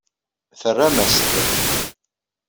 Terram-as-t.